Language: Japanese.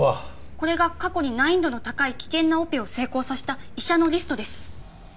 これが過去に難易度の高い危険なオペを成功させた医者のリストです